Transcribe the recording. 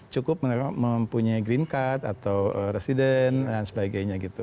cukup mempunyai green card atau resident dan sebagainya gitu